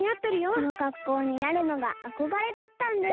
このかっこうになるのがあこがれだったんです。